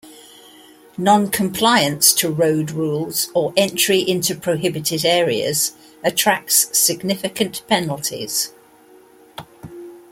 Non-compliance to road rules or entry into prohibited areas attracts significant penalties.